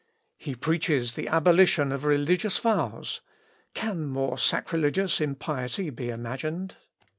He preaches the abolition of religious vows. Can more sacrilegious impiety be imagined?...